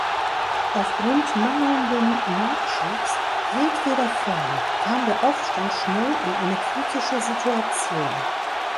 Aufgrund mangelnden Nachschubs jedweder Form kam der Aufstand schnell in eine kritische Situation.